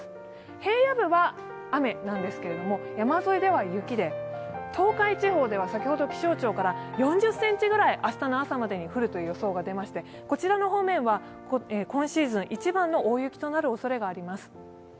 平野部は雨なんですけれども、山沿いでは雪で、東海地方では先ほど気象庁から４０ｃｍぐらい明日の朝までに降るという予想が出ましてこちらの方面は今シーズン一番の大雪となるおそれがあります。